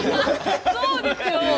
そうですよ！